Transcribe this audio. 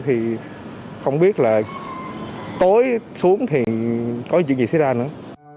thì không biết là tối xuống thì có gì gì xảy ra nữa